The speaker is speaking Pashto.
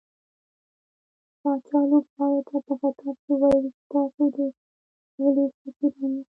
پاچا لوبغاړو ته په خطاب کې وويل چې تاسو د سولې سفيران ياست .